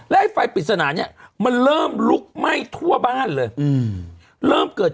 และไฟปริศนานี้มันเริ่มลุกไหม้ทั่วบ้านเลย